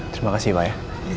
terima kasih pak ya